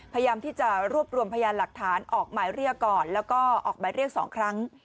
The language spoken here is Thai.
พยายามที่จะรวบรวมพยานหลักฐานออกหมายเรียกก่อนแล้วก็ออกหมายเรียก๒ครั้ง